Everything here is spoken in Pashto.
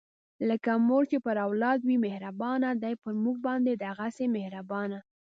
لکه مور چې پر اولاد وي مهربانه، دی پر مونږ باندې دغهسې مهربانه